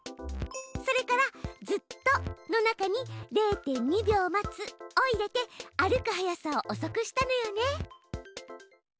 それから「ずっと」の中に「０．２秒待つ」を入れて歩く速さをおそくしたのよね。